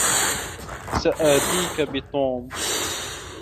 سآتيك بتوم.